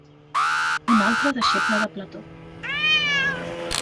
Un altre deixeble de Plató.